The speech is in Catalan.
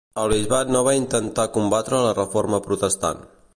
El bisbat no va intentar combatre la Reforma Protestant.